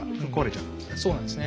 そうなんですね。